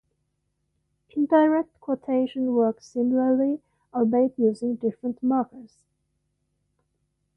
Indirect quotation works similarly, albeit using different markers.